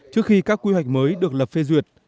trước khi các quy hoạch mới được lập phê duyệt